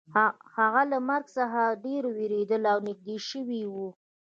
هغه له مرګ څخه ډیر ویریدلی او نږدې شوی و